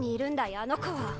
あの子は。